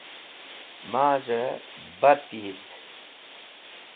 maz̃hey bat yit